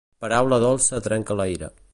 Paraula dolça trenca la ira.